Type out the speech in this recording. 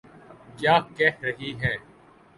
کیا کہہ رہی ہیں۔